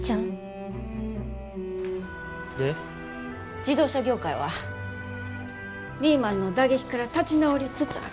自動車業界はリーマンの打撃から立ち直りつつある。